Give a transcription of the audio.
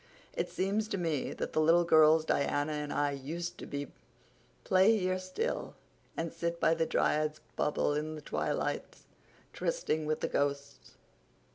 "It seems to me that the little girls Diana and I used to be play here still, and sit by the Dryad's Bubble in the twilights, trysting with the ghosts.